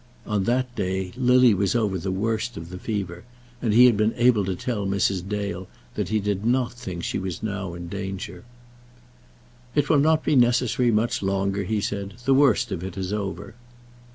On that day Lily was over the worst of the fever, and he had been able to tell Mrs. Dale that he did not think that she was now in danger. "It will not be necessary much longer," he said; "the worst of it is over."